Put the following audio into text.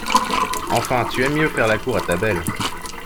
Enfin, tu aimes mieux faire la cour à ta belle!